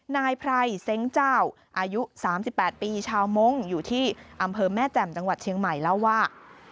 นายไพรเซ้งเจ้าอายุ๓๘ปีชาวมงค์อยู่ที่อำเภอแม่แจ่มจังหวัดเชียงใหม่เล่าว่า